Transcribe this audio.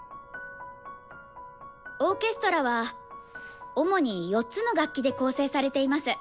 オーケストラは主に４つの楽器で構成されています。